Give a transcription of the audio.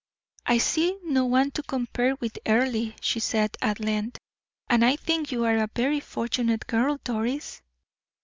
"I see no one to compare with Earle," she said, at length, "and I think you are a very fortunate girl, Doris."